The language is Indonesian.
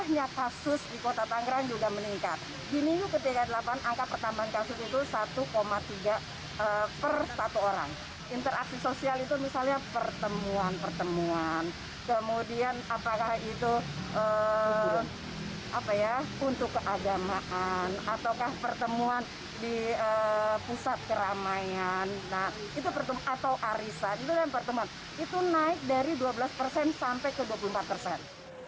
nah itu pertemuan atau arisan itu kan pertemuan itu naik dari dua belas persen sampai ke dua puluh empat persen